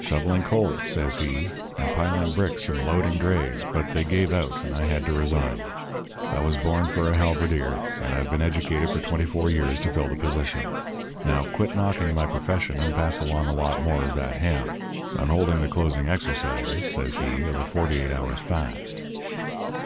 "'Shoveling coal,' says he, 'and piling bricks and loading drays. But they gave out, and I had to resign. I was born for a halberdier, and I've been educated for twenty four years to fill the position. Now, quit knocking my profession, and pass along a lot more of that ham. I'm holding the closing exercises,' says he, 'of a forty eight hour fast.'